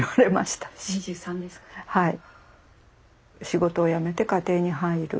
仕事をやめて家庭に入る。